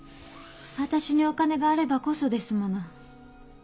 私にお金があればこそですもの。